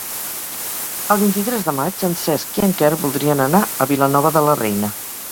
El vint-i-tres de maig en Cesc i en Quer voldrien anar a Vilanova de la Reina.